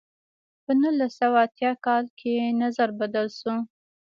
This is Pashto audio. په نولس سوه اتیا کال کې نظر بدل شو.